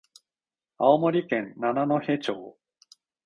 青森県七戸町